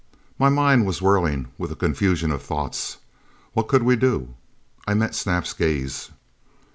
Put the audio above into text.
My mind was whirling with a confusion of thoughts. What could we do? I met Snap's gaze.